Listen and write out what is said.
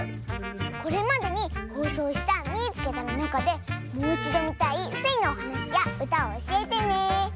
これまでにほうそうした「みいつけた！」のなかでもういちどみたいスイのおはなしやうたをおしえてね！